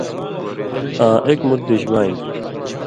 آں اِک مُت دِش بانیۡ۔